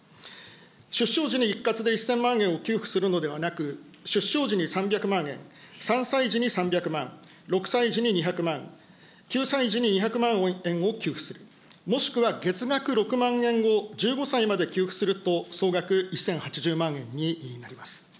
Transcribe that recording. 出生時に一括で１０００万円を給付するのではなく、出生時に３００万円、３歳児に３００万、６歳児に２００万、９歳児に２００万円を給付する、もしくは月額６万円を１５歳まで給付すると、総額１０８０万円になります。